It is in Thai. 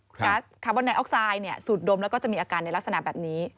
ก๊าซคาร์บอนไดออกไซด์สูดดมแล้วก็จะมีอาการในลักษณะแบบนี้